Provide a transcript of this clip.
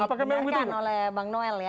oke itu sudah dikenalkan oleh bang noel ya